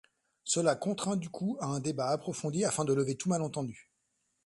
Cela contraint du coup à un débat approfondi afin de lever tout malentendu.